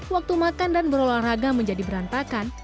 waktu makan dan berolahraga menjadi berantakan